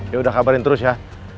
ya udah kabarin terus ya